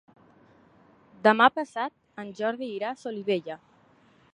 Demà passat en Jordi irà a Solivella.